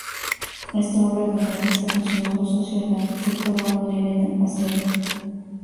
Esta obra la realiza con su nuevo socio el arquitecto Raúl Lerena Acevedo.